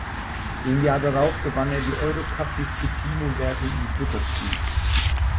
Im Jahr darauf gewann er die Europacup-Disziplinenwertung im Super-G.